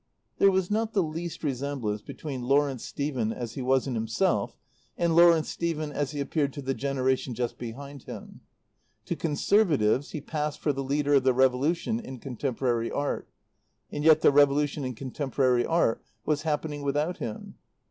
There was not the least resemblance between Lawrence Stephen as he was in himself and Lawrence Stephen as he appeared to the generation just behind him. To conservatives he passed for the leader of the revolution in contemporary art, and yet the revolution in contemporary art was happening without him.